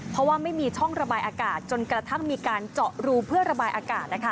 เพราะว่าไม่มีช่องระบายอากาศจนกระทั่งมีการเจาะรูเพื่อระบายอากาศ